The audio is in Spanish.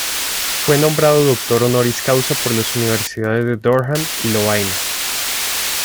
Fue nombrado doctor honoris causa por las universidades de Durham y Lovaina.